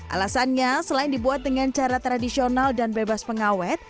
alasannya selain dibuat dengan cara tradisional dan bebas pengawet